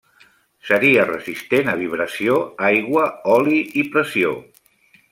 Seria resistent a vibració, aigua, oli i pressió.